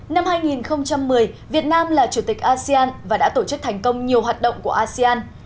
năm hai nghìn một mươi việt nam là chủ tịch asean và đã tổ chức thành công nhiều hoạt động của asean